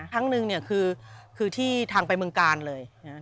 ครั้งหนึ่งคือที่ทางไปเมืองกาลเลย